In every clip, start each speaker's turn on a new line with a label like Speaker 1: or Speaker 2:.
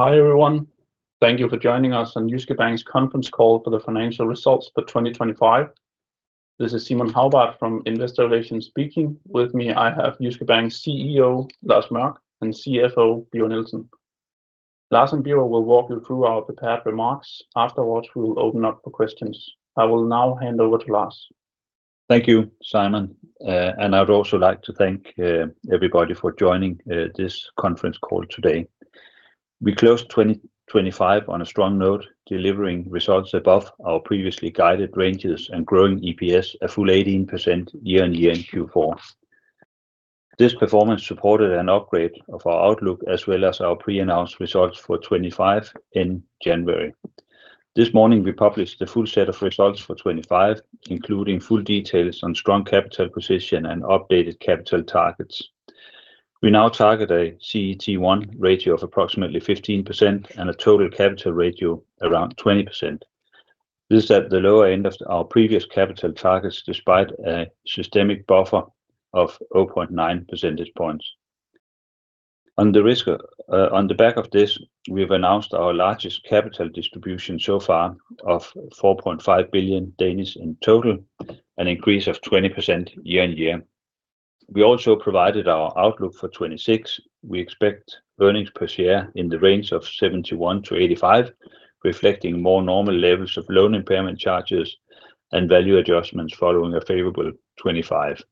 Speaker 1: Hi, everyone. Thank you for joining us on Jyske Bank's conference call for the financial results for 2025. This is Simon Hagbart from Investor Relations speaking. With me, I have Jyske Bank's CEO, Lars Mørch, and CFO, Birger Nielsen. Lars and Birger will walk you through our prepared remarks. Afterwards, we will open up for questions. I will now hand over to Lars.
Speaker 2: Thank you, Simon. I'd also like to thank everybody for joining this conference call today. We closed 2025 on a strong note, delivering results above our previously guided ranges and growing EPS a full 18% year-on-year in Q4. This performance supported an upgrade of our outlook, as well as our pre-announced results for 2025 in January. This morning, we published the full set of results for 2025, including full details on strong capital position and updated capital targets. We now target a CET1 ratio of approximately 15% and a total capital ratio around 20%. This is at the lower end of our previous capital targets, despite a systemic buffer of 0.9 percentage points. On the risk, on the back of this, we've announced our largest capital distribution so far of 4.5 billion in total, an increase of 20% year-on-year. We also provided our outlook for 2026. We expect earnings per share in the range of 71-85, reflecting more normal levels of loan impairment charges and value adjustments following a favorable 2025.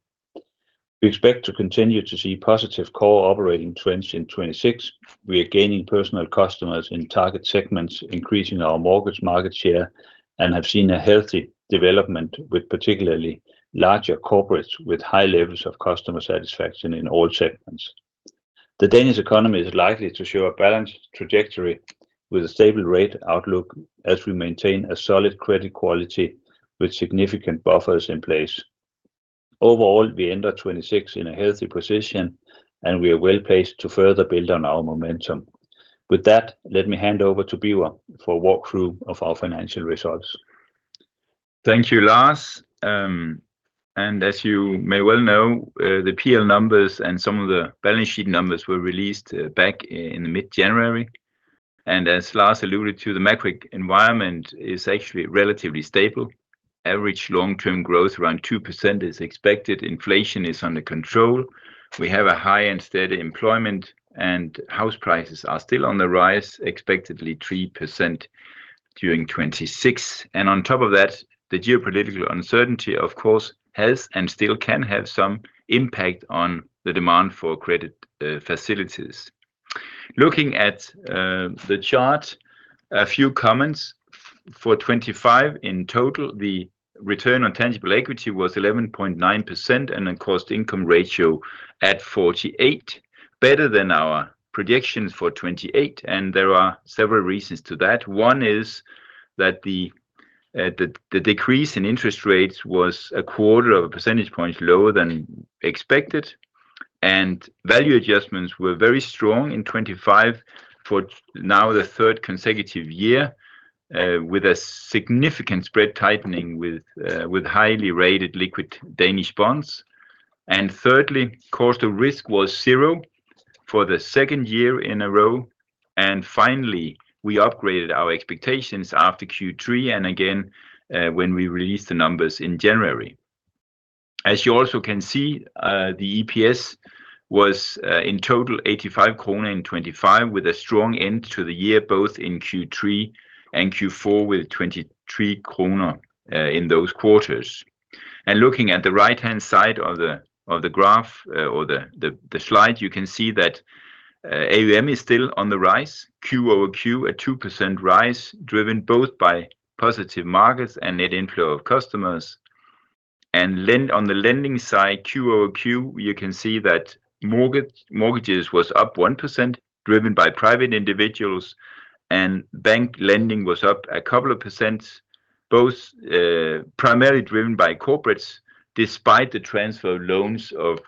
Speaker 2: We expect to continue to see positive core operating trends in 2026. We are gaining personal customers in target segments, increasing our mortgage market share, and have seen a healthy development with particularly larger corporates with high levels of customer satisfaction in all segments. The Danish economy is likely to show a balanced trajectory with a stable rate outlook as we maintain a solid credit quality with significant buffers in place. Overall, we end our 2026 in a healthy position, and we are well-placed to further build on our momentum. With that, let me hand over to Birger for a walkthrough of our financial results.
Speaker 3: Thank you, Lars. And as you may well know, the PL numbers and some of the balance sheet numbers were released back in mid-January. And as Lars alluded to, the macro environment is actually relatively stable. Average long-term growth around 2% is expected, inflation is under control, we have a high and steady employment, and house prices are still on the rise, expectedly 3% during 2026. And on top of that, the geopolitical uncertainty, of course, has and still can have some impact on the demand for credit facilities. Looking at the chart, a few comments. For 2025, in total, the return on tangible equity was 11.9% and a cost income ratio at 48%, better than our predictions for 2028, and there are several reasons to that. One is that the decrease in interest rates was 0.25 percentage points lower than expected, and value adjustments were very strong in 2025 for now the third consecutive year, with a significant spread tightening with highly rated liquid Danish bonds. And thirdly, cost of risk was 0% for the second year in a row. And finally, we upgraded our expectations after Q3, and again, when we released the numbers in January. As you also can see, the EPS was in total 85 krone in 2025, with a strong end to the year, both in Q3 and Q4, with 23 kroner in those quarters. Looking at the right-hand side of the graph, or the slide, you can see that AUM is still on the rise. Q-over-Q, a 2% rise, driven both by positive markets and net inflow of customers. On the lending side, Q-over-Q, you can see that mortgages was up 1%, driven by private individuals, and bank lending was up a couple of percent, both primarily driven by corporates, despite the transfer of loans of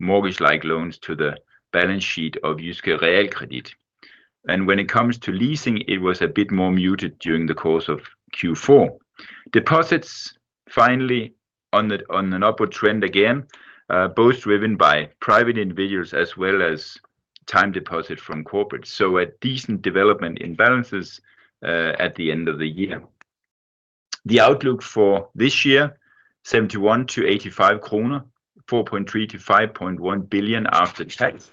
Speaker 3: mortgage-like loans to the balance sheet of Jyske Realkredit. And when it comes to leasing, it was a bit more muted during the course of Q4. Deposits, finally, on an upward trend again, both driven by private individuals as well as time deposit from corporates, so a decent development in balances at the end of the year. The outlook for this year, 71-85 kroner, 4.3 billion-5.1 billion after tax.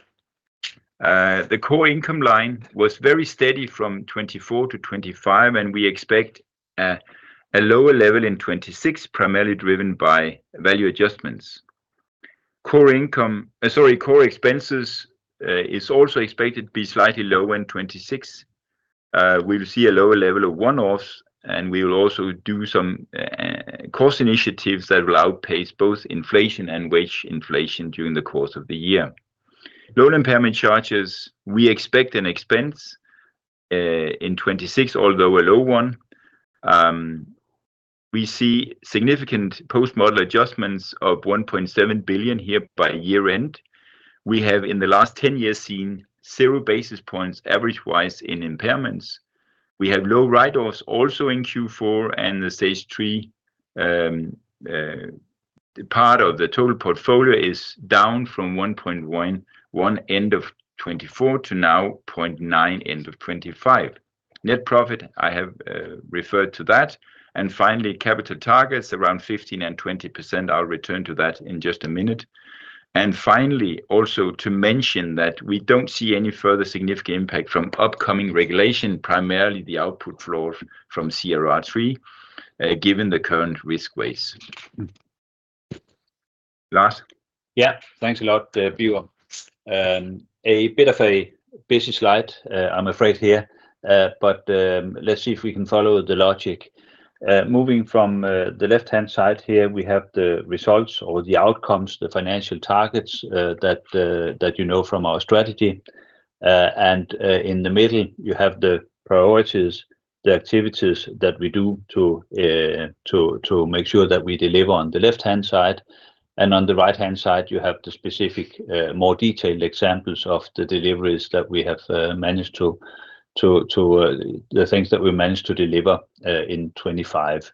Speaker 3: The core income line was very steady from 2024 to 2025, and we expect a lower level in 2026, primarily driven by value adjustments. Core income, sorry, core expenses is also expected to be slightly lower in 2026. We will see a lower level of one-offs, and we will also do some cost initiatives that will outpace both inflation and wage inflation during the course of the year. Loan impairment charges, we expect an expense in 2026, although a low one. We see significant post-model adjustments of 1.7 billion here by year-end. We have, in the last 10 years, seen 0 basis points average-wise in impairments. We have low write-offs also in Q4 and the stage three. Part of the total portfolio is down from 1.1% end of 2024 to now 0.9% end of 2025. Net profit I have referred to that. And finally, capital targets around 15% and 20%. I'll return to that in just a minute. And finally, also to mention that we don't see any further significant impact from upcoming regulation, primarily the output floor from CRR III, given the current risk weights. Lars?
Speaker 2: Yeah. Thanks a lot, Birger. A bit of a busy slide, I'm afraid here. But let's see if we can follow the logic. Moving from the left-hand side here, we have the results or the outcomes, the financial targets that you know from our strategy. And in the middle, you have the priorities, the activities that we do to make sure that we deliver on the left-hand side. And on the right-hand side, you have the specific more detailed examples of the deliveries that we have managed to the things that we managed to deliver in 2025.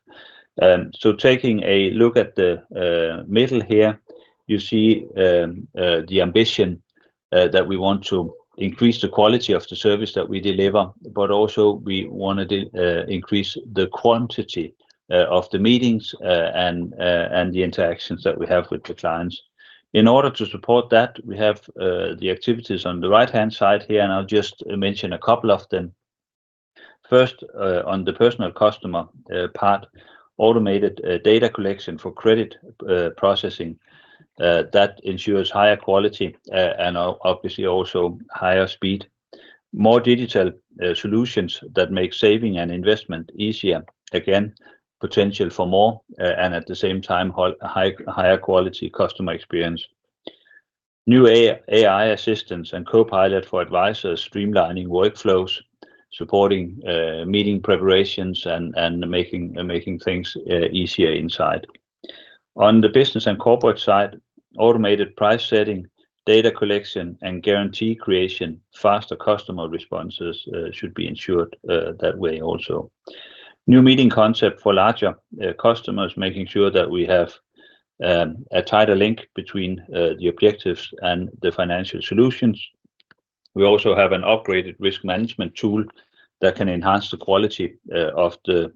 Speaker 2: So taking a look at the middle here, you see, the ambition that we want to increase the quality of the service that we deliver, but also we wanna increase the quantity of the meetings and the interactions that we have with the clients. In order to support that, we have the activities on the right-hand side here, and I'll just mention a couple of them. First, on the personal customer part, automated data collection for credit processing that ensures higher quality and obviously also higher speed. More digital solutions that make saving and investment easier. Again, potential for more and at the same time higher quality customer experience. New AI assistants and Copilot for advisors, streamlining workflows, supporting meeting preparations, and making things easier inside. On the business and corporate side, automated price setting, data collection, and guarantee creation, faster customer responses should be ensured that way also. New meeting concept for larger customers, making sure that we have a tighter link between the objectives and the financial solutions. We also have an upgraded risk management tool that can enhance the quality of the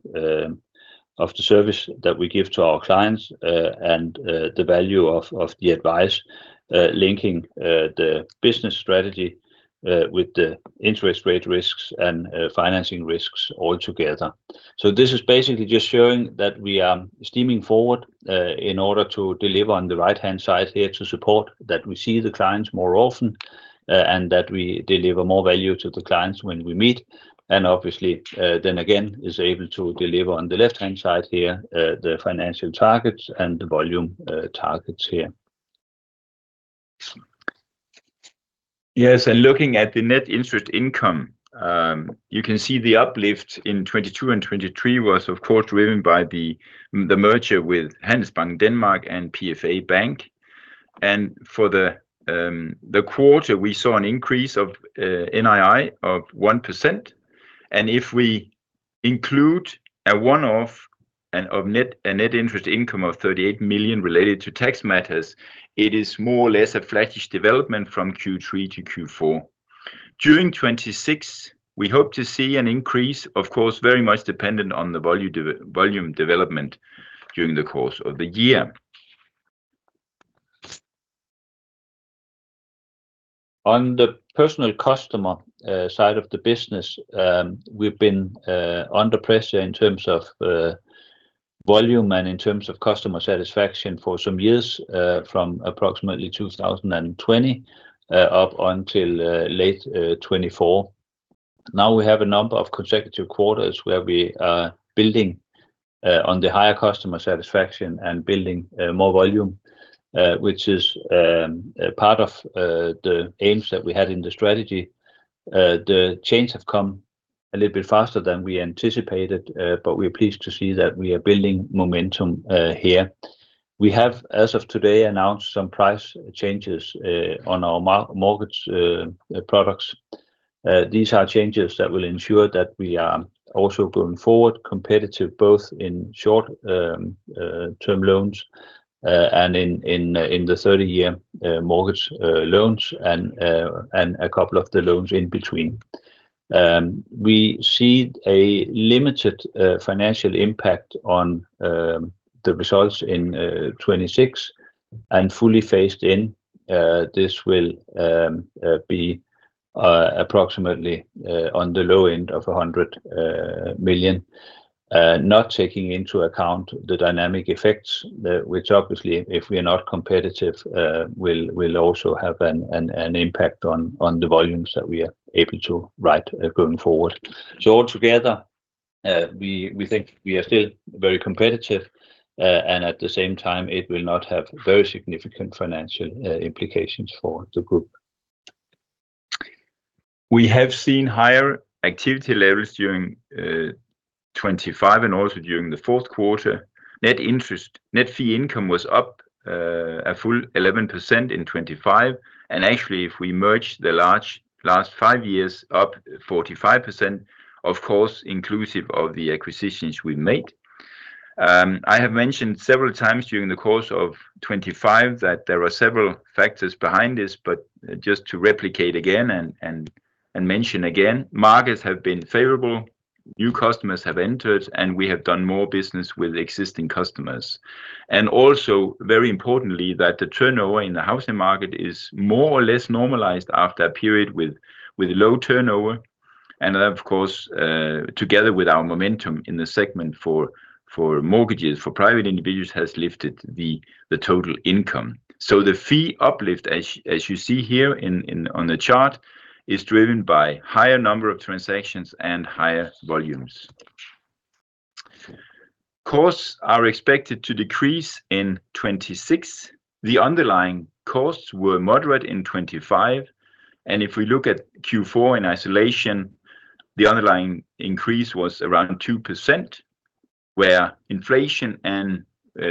Speaker 2: service that we give to our clients and the value of the advice, linking the business strategy with the interest rate risks and financing risks altogether. So this is basically just showing that we are steaming forward, in order to deliver on the right-hand side here, to support that we see the clients more often, and that we deliver more value to the clients when we meet, and obviously, then again, is able to deliver on the left-hand side here, the financial targets and the volume, targets here.
Speaker 3: Yes. And looking at the net interest income, you can see the uplift in 2022 and 2023 was, of course, driven by the merger with Handelsbanken Denmark and PFA Bank. And for the quarter, we saw an increase of NII of 1%, and if we include a one-off and of net, a net interest income of 38 million related to tax matters, it is more or less a flattish development from Q3 to Q4. During 2026, we hope to see an increase, of course, very much dependent on the volume development during the course of the year.
Speaker 2: On the personal customer side of the business, we've been under pressure in terms of volume and in terms of customer satisfaction for some years from approximately 2020 up until late 2024. Now, we have a number of consecutive quarters where we are building on the higher customer satisfaction and building more volume, which is a part of the aims that we had in the strategy. The change have come a little bit faster than we anticipated, but we are pleased to see that we are building momentum here. We have, as of today, announced some price changes on our mortgage products. These are changes that will ensure that we are also going forward, competitive both in short term loans and in the 30-year mortgage loans and a couple of the loans in between. We see a limited financial impact on the results in 2026 and fully phased in, this will be approximately on the low end of 100 million, not taking into account the dynamic effects, which obviously, if we are not competitive, will also have an impact on the volumes that we are able to write going forward. So altogether, we think we are still very competitive and at the same time, it will not have very significant financial implications for the group.
Speaker 3: We have seen higher activity levels during 2025, and also during the fourth quarter, net interest, net fee income was up a full 11% in 2025. Actually, if we merge the large last five years, up 45%, of course, inclusive of the acquisitions we made. I have mentioned several times during the course of 2025 that there are several factors behind this, but just to replicate again and mention again, markets have been favorable, new customers have entered, and we have done more business with existing customers. Also, very importantly, that the turnover in the housing market is more or less normalized after a period with low turnover. And that, of course, together with our momentum in the segment for mortgages for private individuals, has lifted the total income. The fee uplift, as you see here in on the chart, is driven by higher number of transactions and higher volumes. Costs are expected to decrease in 2026. The underlying costs were moderate in 2025, and if we look at Q4 in isolation, the underlying increase was around 2%, where inflation and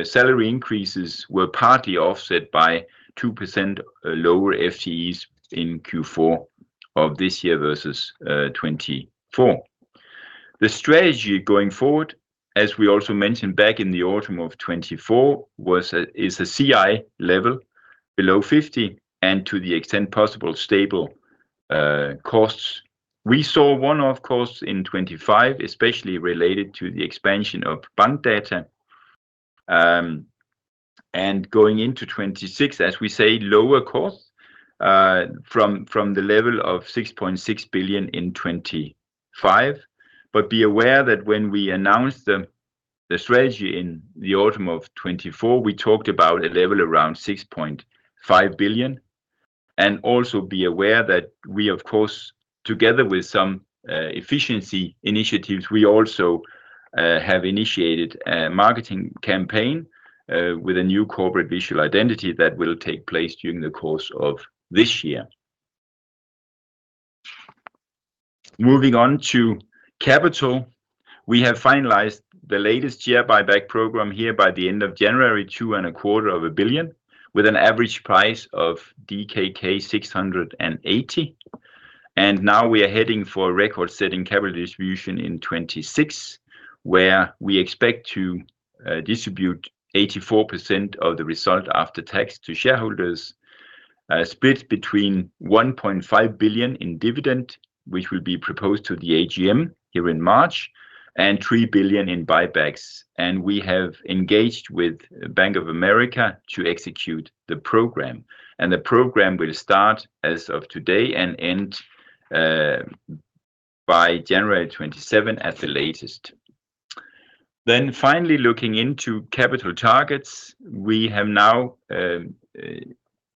Speaker 3: salary increases were partly offset by 2% lower FTEs in Q4 of this year versus 2024. The strategy going forward, as we also mentioned back in the autumn of 2024, is a CI level below 50 and to the extent possible, stable costs. We saw one-off costs in 2025, especially related to the expansion of Bankdata. Going into 2026, as we say, lower costs from the level of 6.6 billion in 2025. But be aware that when we announced the strategy in the autumn of 2024, we talked about a level around 6.5 billion. And also be aware that we, of course, together with some efficiency initiatives, we also have initiated a marketing campaign with a new corporate visual identity that will take place during the course of this year. Moving on to capital, we have finalized the latest share buyback program here by the end of January, 2.25 billion, with an average price of DKK 680. And now we are heading for a record-setting capital distribution in 2026, where we expect to distribute 84% of the result after tax to shareholders, split between 1.5 billion in dividend, which will be proposed to the AGM here in March, and 3 billion in buybacks. We have engaged with Bank of America to execute the program, and the program will start as of today and end by January 27 at the latest. Then finally, looking into capital targets, we have now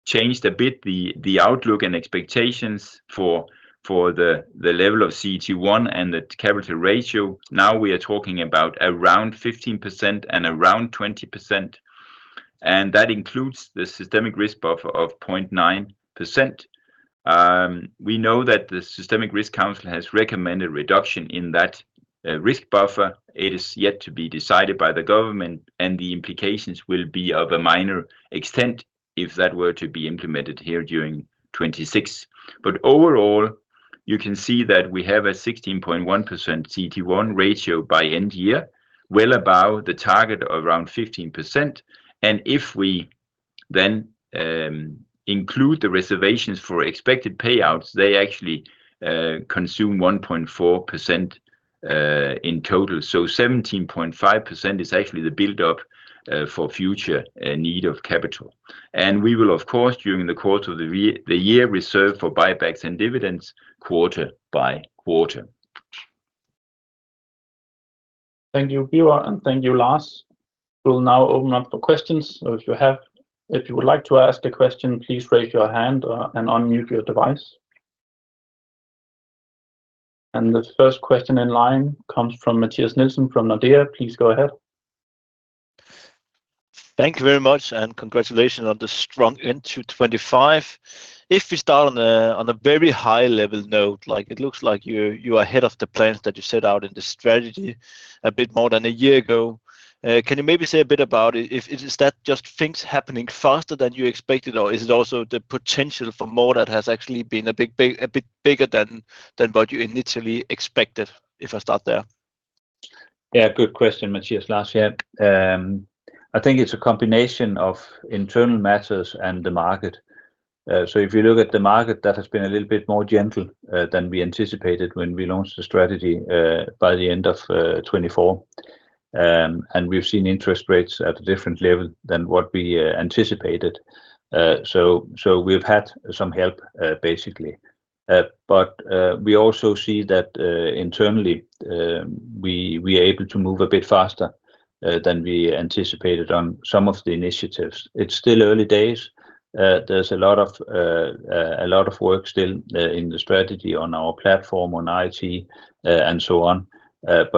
Speaker 3: changed a bit the outlook and expectations for the level of CET1 and the capital ratio. Now we are talking about around 15% and around 20%, and that includes the systemic risk buffer of 0.9%. We know that the Systemic Risk Council has recommended reduction in that risk buffer. It is yet to be decided by the government, and the implications will be of a minor extent if that were to be implemented here during 2026. But overall, you can see that we have a 16.1% CET1 ratio by end year, well above the target of around 15%. And if we then include the reservations for expected payouts, they actually consume 1.4% in total. So 17.5% is actually the build-up for future need of capital. And we will, of course, during the course of the year, reserve for buybacks and dividends quarter by quarter.
Speaker 1: Thank you, Birger, and thank you, Lars. We'll now open up for questions. So if you would like to ask a question, please raise your hand or and unmute your device. And the first question in line comes from Mathias Nielsen from Nordea. Please go ahead.
Speaker 4: Thank you very much, and congratulations on the strong end to 2025. If we start on a very high-level note, like it looks like you're, you are ahead of the plans that you set out in the strategy a bit more than a year ago. Can you maybe say a bit about it? Is that just things happening faster than you expected, or is it also the potential for more that has actually been a big, big, a bit bigger than what you initially expected? If I start there.
Speaker 2: Yeah. Good question, Mathias. Lars here. I think it's a combination of internal matters and the market. So if you look at the market, that has been a little bit more gentle than we anticipated when we launched the strategy by the end of 2024. And we've seen interest rates at a different level than what we anticipated. So we've had some help, basically. But we also see that internally, we are able to move a bit faster than we anticipated on some of the initiatives. It's still early days. There's a lot of work still in the strategy, on our platform, on IT, and so on.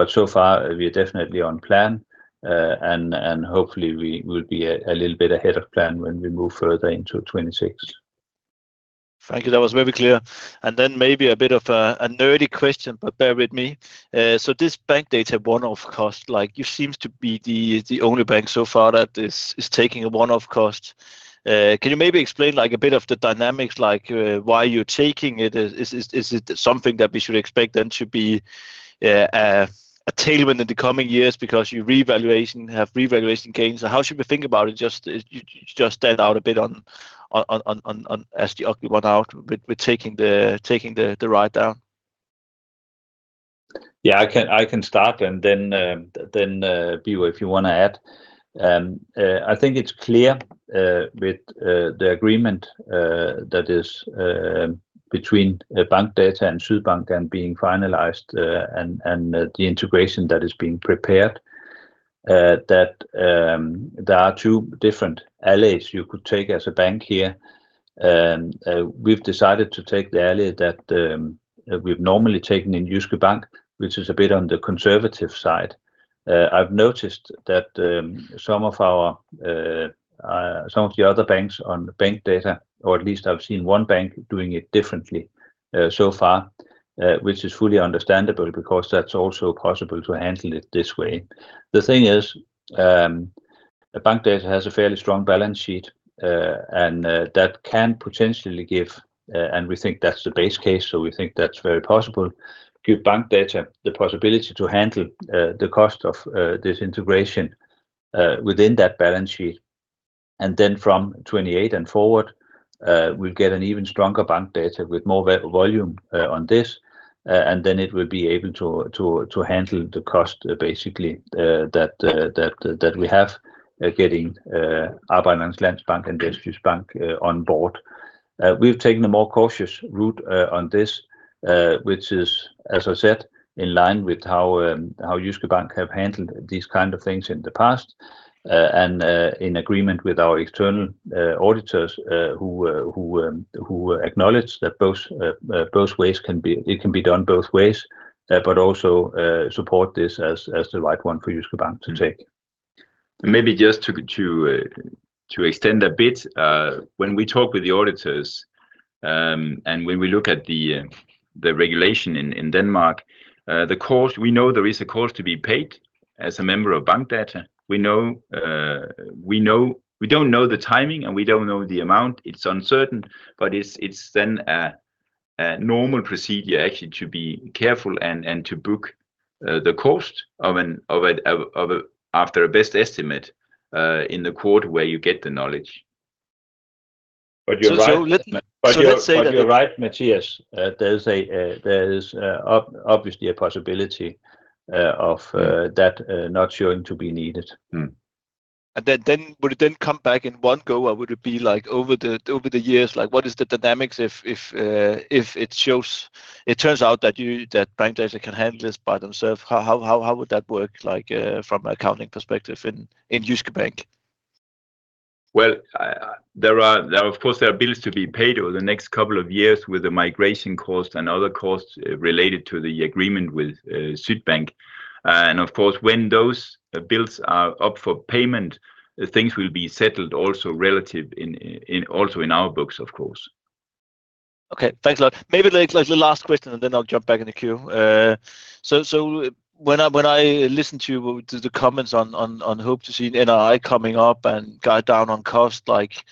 Speaker 2: So far, we are definitely on plan, and hopefully, we will be a little bit ahead of plan when we move further into 2026.
Speaker 4: Thank you. That was very clear. And then maybe a bit of a nerdy question, but bear with me. So this Bankdata one-off cost, like, you seem to be the only bank so far that is taking a one-off cost. Can you maybe explain, like, a bit of the dynamics, like, why you're taking it? Is it something that we should expect then to be a tailwind in the coming years because you have revaluation gains? So how should we think about it? Just spell out a bit on, as you point out, with taking the write-down.
Speaker 2: Yeah, I can start and then, Birger, if you wanna add. I think it's clear with the agreement that is between Bankdata and Sydbank and being finalized, and the integration that is being prepared, that there are two different alleys you could take as a bank here. And we've decided to take the alley that we've normally taken in Jyske Bank, which is a bit on the conservative side. I've noticed that some of our some of the other banks on Bankdata, or at least I've seen one bank doing it differently so far, which is fully understandable because that's also possible to handle it this way. The thing is, Bankdata has a fairly strong balance sheet, and that can potentially give, and we think that's the base case, so we think that's very possible, give Bankdata the possibility to handle the cost of this integration within that balance sheet. And then from 2028 and forward, we'll get an even stronger Bankdata with more volume on this, and then it will be able to handle the cost basically, that we have getting Arbejdernes Landsbank and Danske Bank on board. We've taken a more cautious route on this, which is, as I said, in line with how Jyske Bank have handled these kind of things in the past, and in agreement with our external auditors, who acknowledge that both ways can be... It can be done both ways, but also support this as the right one for Jyske Bank to take.
Speaker 3: Maybe just to extend a bit, when we talk with the auditors, and when we look at the regulation in Denmark, the cost, we know there is a cost to be paid as a member of Bankdata. We know we don't know the timing, and we don't know the amount. It's uncertain, but it's then a normal procedure actually to be careful and to book the cost after a best estimate in the quarter where you get the knowledge.
Speaker 2: But you're right.
Speaker 4: So let's say that-
Speaker 2: But you're right, Mathias. There is obviously a possibility of that not showing to be needed.
Speaker 3: Mm-hmm.
Speaker 4: And then would it then come back in one go, or would it be like over the years? Like, what is the dynamics if it turns out that you, that Bankdata can handle this by themselves, how would that work, like, from an accounting perspective in Jyske Bank?
Speaker 3: Well, there are, of course, bills to be paid over the next couple of years with the migration cost and other costs related to the agreement with Sydbank. And of course, when those bills are up for payment, things will be settled also relative in, also in our books, of course.
Speaker 4: Okay. Thanks a lot. Maybe like the last question, and then I'll jump back in the queue. So when I listen to the comments on hoping to see NII coming up and guiding down on cost, like,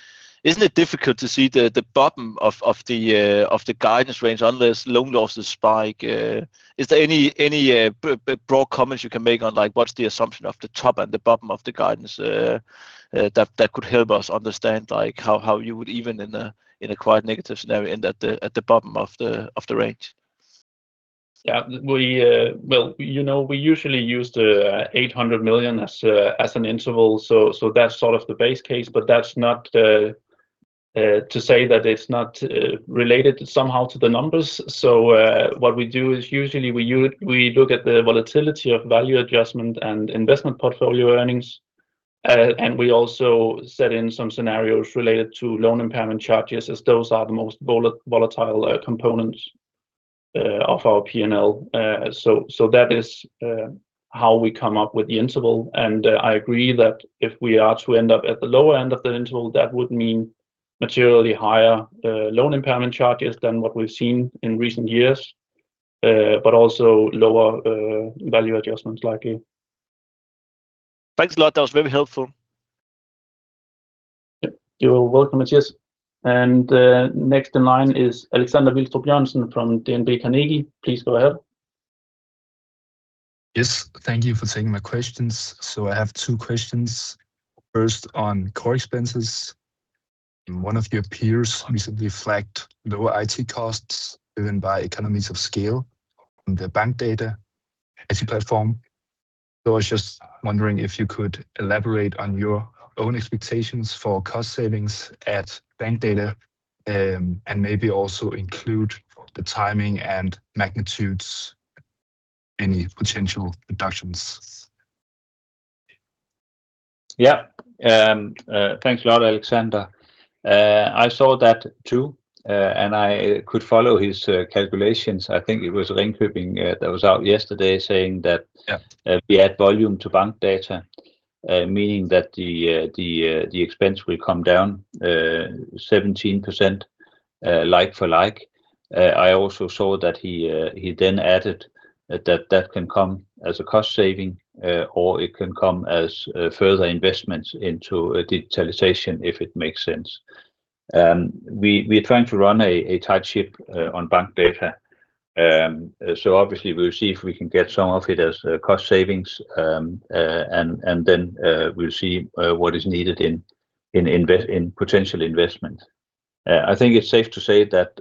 Speaker 4: isn't it difficult to see the bottom of the guidance range unless loan losses spike? Is there any broad comments you can make on, like, what's the assumption of the top and the bottom of the guidance that could help us understand, like, how you would even in a quite negative scenario end at the bottom of the range?
Speaker 3: Yeah. We, well, you know, we usually use the 800 million as an interval, so that's sort of the base case, but that's not to say that it's not related somehow to the numbers. So, what we do is usually we look at the volatility of value adjustment and investment portfolio earnings, and we also set in some scenarios related to loan impairment charges, as those are the most volatile components of our PNL. So, that is how we come up with the interval, and I agree that if we are to end up at the lower end of the interval, that would mean materially higher loan impairment charges than what we've seen in recent years, but also lower value adjustments likely.
Speaker 4: Thanks a lot. That was very helpful.
Speaker 2: You're welcome, Mathias.
Speaker 1: Next in line is Alexander Vilstrup-Jørgensen from DNB Carnegie. Please go ahead.
Speaker 5: Yes, thank you for taking my questions. So I have two questions. First, on core expenses. One of your peers recently flagged lower IT costs driven by economies of scale on the Bankdata IT platform. So I was just wondering if you could elaborate on your own expectations for cost savings at Bankdata, and maybe also include the timing and magnitudes, any potential reductions?
Speaker 2: Yeah. Thanks a lot, Alexander. I saw that too, and I could follow his calculations. I think it was Ringkjøbing that was out yesterday saying that-
Speaker 5: Yeah.
Speaker 2: We add volume to Bankdata, meaning that the expense will come down 17%, like for like. I also saw that he then added that that can come as a cost saving, or it can come as further investments into digitalization if it makes sense. We're trying to run a tight ship on Bankdata. So obviously we'll see if we can get some of it as cost savings, and then we'll see what is needed in potential investment. I think it's safe to say that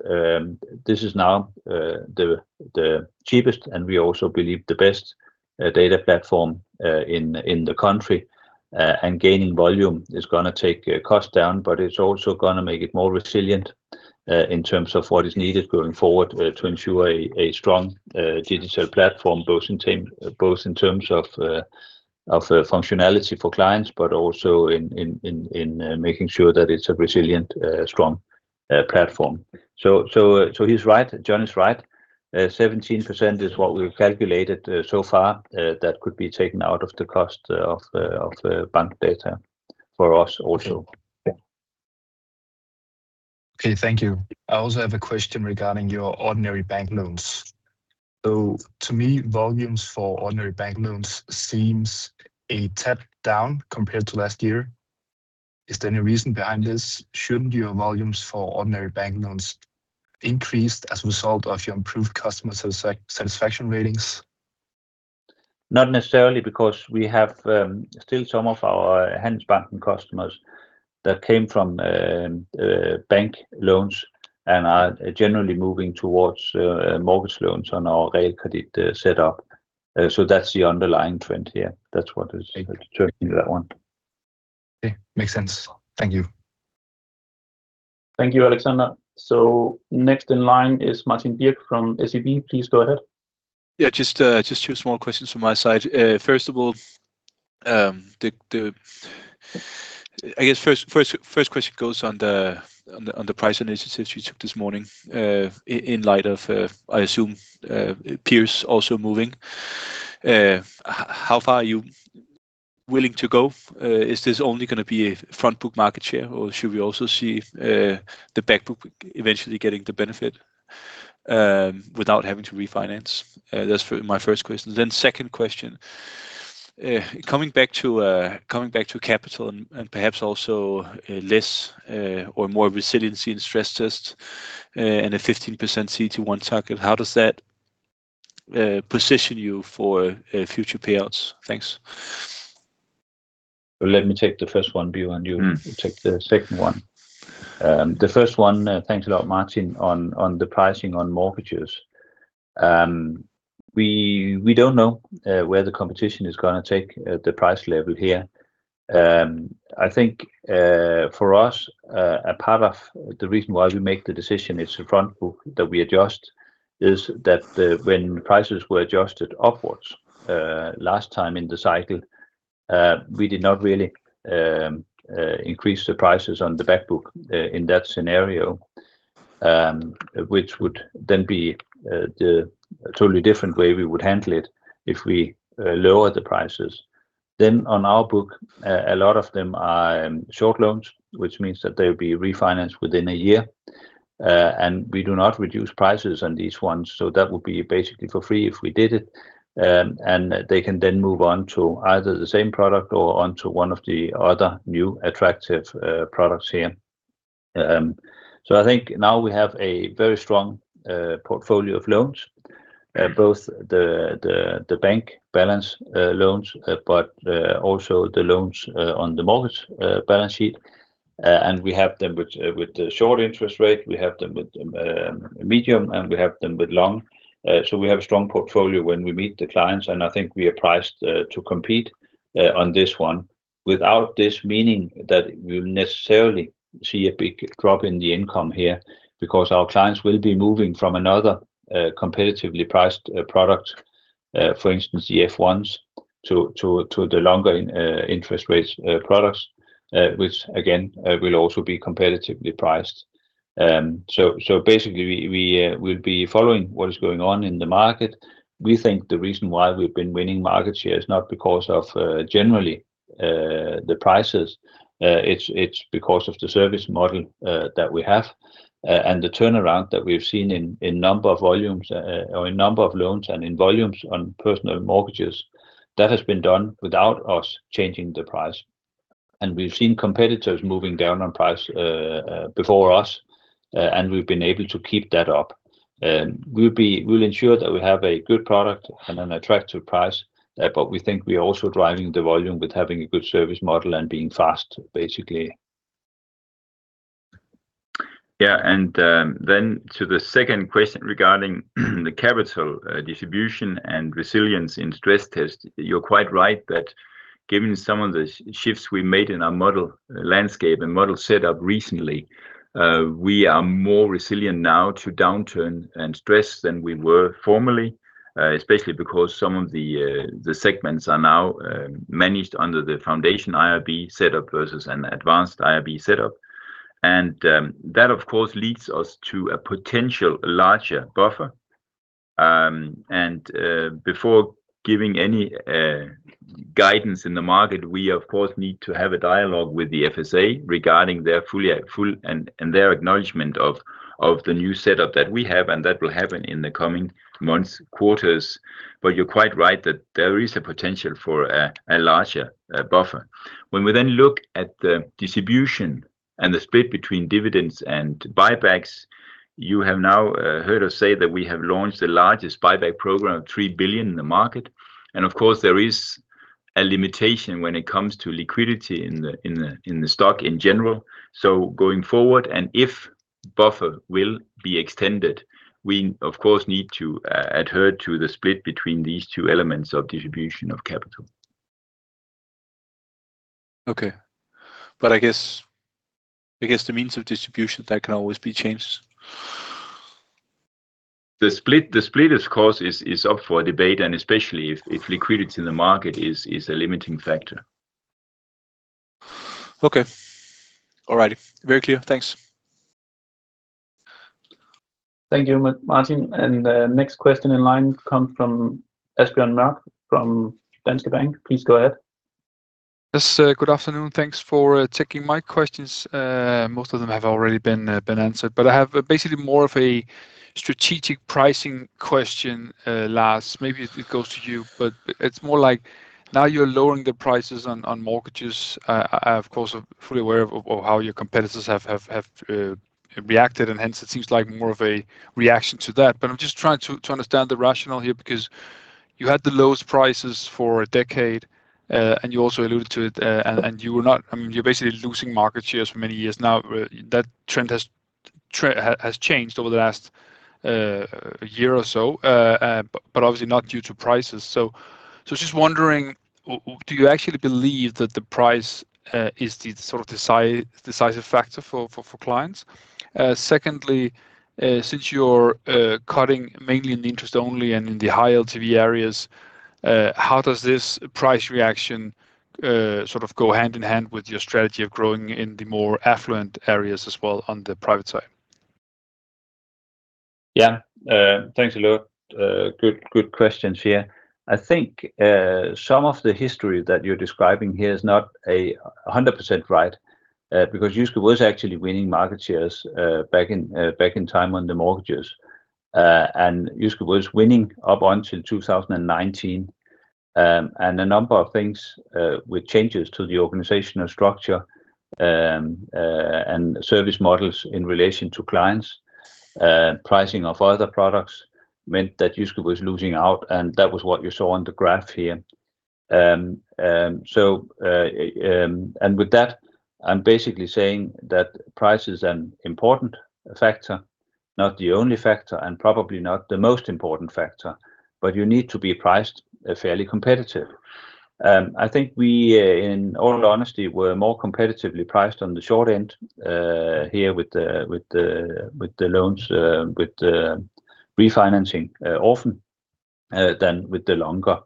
Speaker 2: this is now the cheapest and we also believe the best data platform in the country. Gaining volume is gonna take cost down, but it's also gonna make it more resilient in terms of what is needed going forward to ensure a strong digital platform, both in terms of functionality for clients, but also in making sure that it's a resilient strong platform. So he's right. John is right. 17% is what we've calculated so far that could be taken out of the cost of Bankdata for us also.
Speaker 5: Okay, thank you. I also have a question regarding your ordinary bank loans. So to me, volumes for ordinary bank loans seems a tad down compared to last year. Is there any reason behind this? Shouldn't your volumes for ordinary bank loans increased as a result of your improved customer satisfaction ratings?
Speaker 2: Not necessarily, because we have still some of our Handelsbanken customers that came from bank loans and are generally moving towards mortgage loans on our Realkredit setup. So that's the underlying trend, yeah. That's what is turning that one.
Speaker 5: Okay. Makes sense. Thank you.
Speaker 1: Thank you, Alexander. So next in line is Martin Birk from SEB. Please go ahead.
Speaker 6: Yeah, just two small questions from my side. First of all, I guess, first question goes on the price initiatives you took this morning. In light of, I assume, peers also moving, how far are you willing to go? Is this only gonna be a front book market share, or should we also see the back book eventually getting the benefit without having to refinance? That's my first question. Then second question, coming back to capital and, and perhaps also, less or more resiliency in stress tests, and a 15% CET1 target, how does that position you for future payouts? Thanks.
Speaker 2: Let me take the first one, Bir, and you-
Speaker 3: Mm.
Speaker 2: Take the second one. The first one, thanks a lot, Martin, on the pricing on mortgages. We don't know where the competition is gonna take the price level here. I think, for us, a part of the reason why we make the decision, it's the front book that we adjust, is that when prices were adjusted upwards last time in the cycle, we did not really increase the prices on the back book in that scenario. Which would then be the totally different way we would handle it if we lower the prices. Then on our book, a lot of them are short loans, which means that they'll be refinanced within a year. And we do not reduce prices on these ones, so that would be basically for free if we did it. And they can then move on to either the same product or onto one of the other new attractive products here. So I think now we have a very strong portfolio of loans, both the bank balance loans, but also the loans on the mortgage balance sheet. And we have them with the short interest rate, we have them with medium, and we have them with long. So we have a strong portfolio when we meet the clients, and I think we are priced to compete on this one. Without this meaning that we'll necessarily see a big drop in the income here, because our clients will be moving from another, competitively priced, product, for instance, the F1s, to the longer, interest rates, products, which again, will also be competitively priced. So basically, we, we'll be following what is going on in the market. We think the reason why we've been winning market share is not because of, generally, the prices, it's because of the service model, that we have, and the turnaround that we've seen in number of volumes, or in number of loans and in volumes on personal mortgages, that has been done without us changing the price. We've seen competitors moving down on price before us, and we've been able to keep that up. We'll ensure that we have a good product and an attractive price, but we think we are also driving the volume with having a good service model and being fast, basically.
Speaker 3: Yeah, and then to the second question regarding the capital distribution and resilience in stress test. You're quite right that given some of the shifts we made in our model landscape and model setup recently, we are more resilient now to downturn and stress than we were formerly. Especially because some of the segments are now managed under the Foundation IRB setup versus an Advanced IRB setup. And that of course leads us to a potential larger buffer. And before giving any guidance in the market, we of course need to have a dialogue with the FSA regarding their fully at full and their acknowledgement of the new setup that we have, and that will happen in the coming months, quarters. But you're quite right, that there is a potential for a larger buffer. When we then look at the distribution and the split between dividends and buybacks, you have now heard us say that we have launched the largest buyback program of 3 billion in the market, and of course, there is a limitation when it comes to liquidity in the stock in general. So going forward, and if buffer will be extended, we of course need to adhere to the split between these two elements of distribution of capital.
Speaker 6: Okay. But I guess, I guess the means of distribution, that can always be changed?
Speaker 3: The split, of course, is up for debate, and especially if liquidity in the market is a limiting factor.
Speaker 6: Okay. All right. Very clear. Thanks.
Speaker 1: Thank you, Martin. And the next question in line comes from Asbjørn Mørk from Danske Bank. Please go ahead.
Speaker 7: Yes, good afternoon. Thanks for taking my questions. Most of them have already been answered, but I have basically more of a strategic pricing question. Lars, maybe it goes to you, but it's more like now you're lowering the prices on mortgages. I, of course, am fully aware of how your competitors have reacted, and hence it seems like more of a reaction to that. But I'm just trying to understand the rationale here, because you had the lowest prices for a decade, and you also alluded to it, and you were not... I mean, you're basically losing market shares for many years now. That trend has changed over the last year or so, but obviously not due to prices. Just wondering, do you actually believe that the price is the sort of decisive factor for clients? Secondly, since you're cutting mainly in the interest only and in the higher LTV areas, how does this price reaction sort of go hand in hand with your strategy of growing in the more affluent areas as well on the private side?
Speaker 2: Yeah. Thanks a lot. Good, good questions here. I think some of the history that you're describing here is not 100% right, because Jyske was actually winning market shares back in time on the mortgages. And Jyske was winning up until 2019, and a number of things with changes to the organizational structure and service models in relation to clients, pricing of other products meant that Jyske was losing out, and that was what you saw on the graph here. So, and with that, I'm basically saying that price is an important factor, not the only factor, and probably not the most important factor, but you need to be priced fairly competitive. I think we, in all honesty, were more competitively priced on the short end here with the loans with the refinancing, often than with the longer.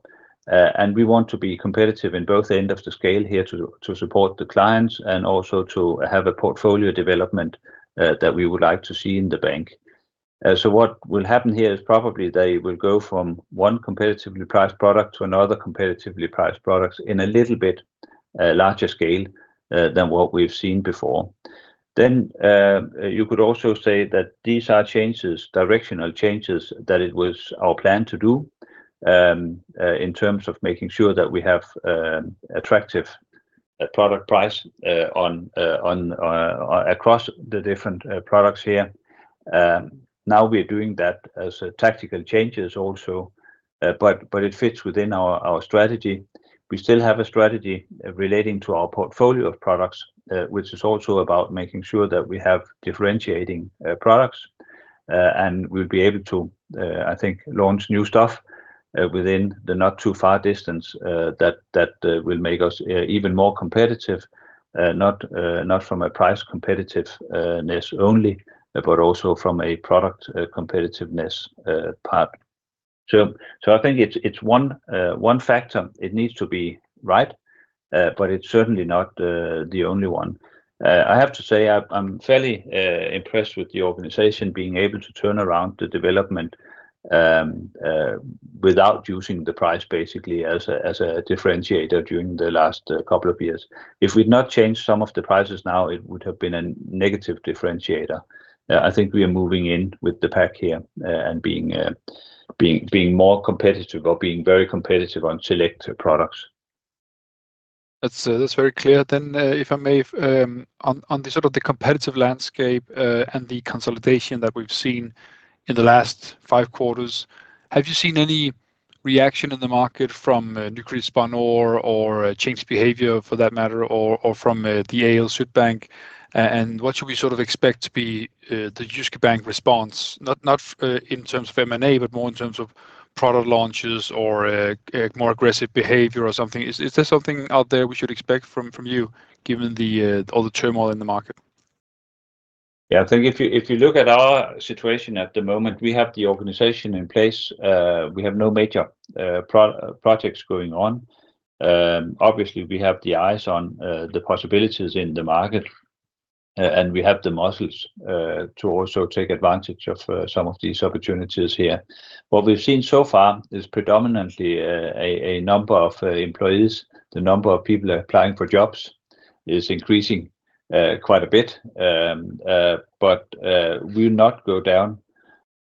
Speaker 2: And we want to be competitive in both end of the scale here to support the clients and also to have a portfolio development that we would like to see in the bank. So what will happen here is probably they will go from one competitively priced product to another competitively priced products in a little bit larger scale than what we've seen before. Then, you could also say that these are changes, directional changes, that it was our plan to do, in terms of making sure that we have attractive product price on across the different products here. Now we are doing that as a tactical changes also, but it fits within our strategy. We still have a strategy relating to our portfolio of products, which is also about making sure that we have differentiating products. And we'll be able to, I think, launch new stuff within the not too far distance that will make us even more competitive. Not from a price competitiveness only, but also from a product competitiveness part. So, I think it's one factor. It needs to be right, but it's certainly not the only one. I have to say, I'm fairly impressed with the organization being able to turn around the development without using the price basically as a differentiator during the last couple of years. If we'd not changed some of the prices now, it would have been a negative differentiator. I think we are moving in with the pack here, and being more competitive or being very competitive on select products.
Speaker 7: That's very clear. Then, if I may, on the sort of the competitive landscape, and the consolidation that we've seen in the last five quarters, have you seen any reaction in the market from credit span or changed behavior for that matter, or from the AL Sydbank? And what should we sort of expect to be the Jyske Bank response? Not in terms of M&A, but more in terms of product launches or a more aggressive behavior or something. Is there something out there we should expect from you, given the all the turmoil in the market?
Speaker 2: Yeah. I think if you, if you look at our situation at the moment, we have the organization in place. We have no major projects going on. Obviously, we have the eyes on the possibilities in the market, and we have the muscles to also take advantage of some of these opportunities here. What we've seen so far is predominantly a number of employees; the number of people applying for jobs is increasing quite a bit. But we'll not go down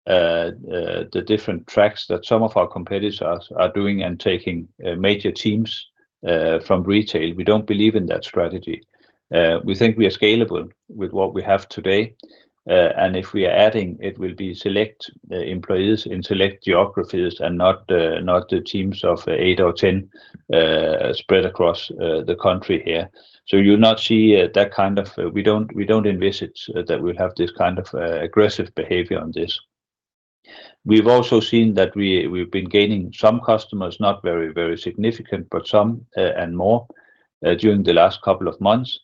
Speaker 2: the different tracks that some of our competitors are doing and taking major teams from retail. We don't believe in that strategy. We think we are scalable with what we have today, and if we are adding, it will be select employees in select geographies and not the teams of eight or 10 spread across the country here. So you'll not see that kind of... We don't, we don't envisage that we'll have this kind of aggressive behavior on this. We've also seen that we've been gaining some customers, not very, very significant, but some, and more during the last couple of months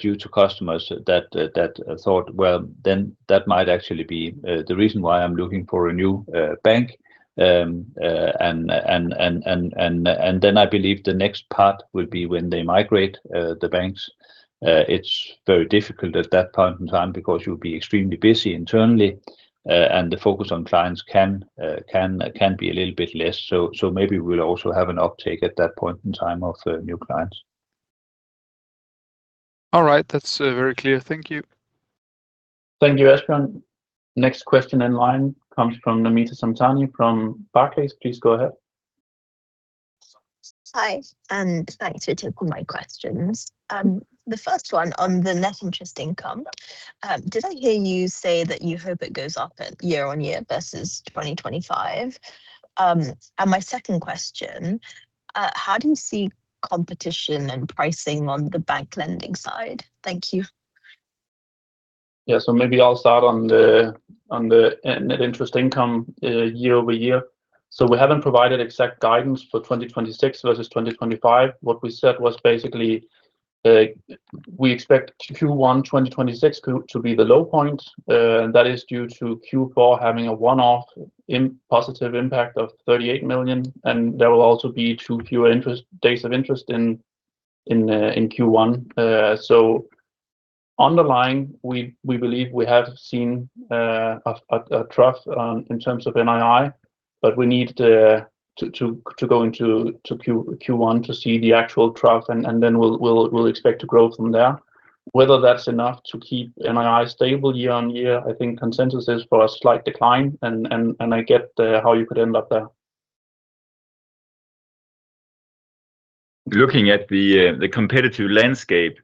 Speaker 2: due to customers that thought, well, then that might actually be the reason why I'm looking for a new bank. And then I believe the next part will be when they migrate the banks. It's very difficult at that point in time because you'll be extremely busy internally, and the focus on clients can be a little bit less. So maybe we'll also have an uptake at that point in time of the new clients.
Speaker 7: All right. That's very clear. Thank you.
Speaker 1: Thank you, Asbjørn. Next question in line comes from Namita Samtani from Barclays. Please go ahead.
Speaker 8: Hi, and thanks for taking my questions. The first one on the net interest income, did I hear you say that you hope it goes up year on year versus 2025? And my second question, how do you see competition and pricing on the bank lending side? Thank you.
Speaker 1: Yeah. So maybe I'll start on the net interest income year-over-year. So we haven't provided exact guidance for 2026 versus 2025. What we said was basically we expect Q1 2026 to be the low point, and that is due to Q4 having a one-off positive impact of 38 million, and there will also be two fewer interest days in Q1. So underlying, we believe we have seen a trough in terms of NII, but we need to go into Q1 to see the actual trough, and then we'll expect to grow from there. Whether that's enough to keep NII stable year-on-year, I think consensus is for a slight decline, and I get the how you could end up there.
Speaker 2: Looking at the competitive landscape,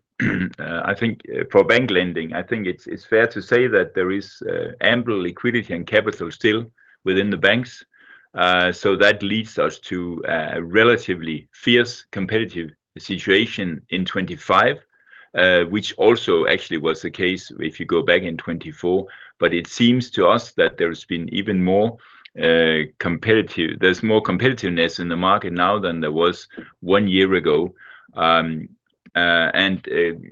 Speaker 2: I think for bank lending, I think it's fair to say that there is ample liquidity and capital still within the banks. So that leads us to a relatively fierce competitive situation in 2025, which also actually was the case if you go back in 2024. But it seems to us that there's been even more competitive. There's more competitiveness in the market now than there was one year ago. And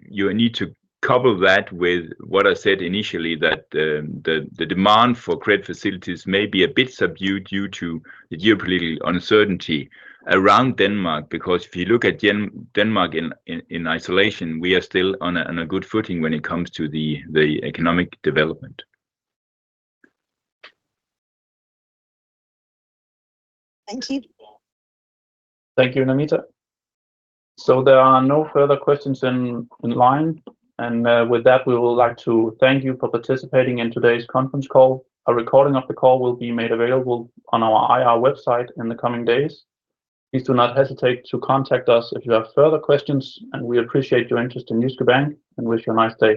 Speaker 2: you need to couple that with what I said initially, that the demand for credit facilities may be a bit subdued due to the geopolitical uncertainty around Denmark. Because if you look at Denmark in isolation, we are still on a good footing when it comes to the economic development.
Speaker 8: Thank you.
Speaker 1: Thank you, Namita. So there are no further questions in line. And, with that, we would like to thank you for participating in today's conference call. A recording of the call will be made available on our IR website in the coming days. Please do not hesitate to contact us if you have further questions, and we appreciate your interest in Jyske Bank, and wish you a nice day.